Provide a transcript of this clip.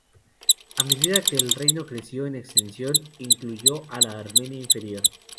A medida que el reino creció en extensión, incluyó a la Armenia Inferior.